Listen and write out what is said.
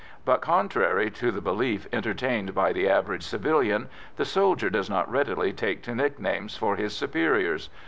But, contrary to the belief entertained by the average civilian, the soldier does not readily take to nicknames for his superiors.